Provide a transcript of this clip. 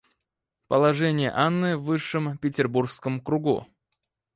Положение Анны в высшем Петербургском кругу.